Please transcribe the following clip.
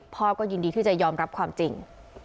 พ่อก็ยินดีที่จะยอมรับความจริง